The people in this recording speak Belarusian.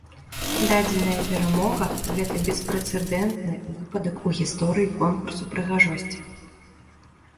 Дадзеная перамога, гэта беспрэцэдэнтны выпадак у гісторыі конкурсу прыгажосці.